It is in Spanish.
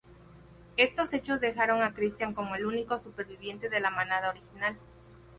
Estos hechos dejaron a Christian como el único superviviente de la manada original.